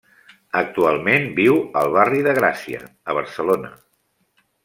Actualment viu al barri de Gràcia, a Barcelona.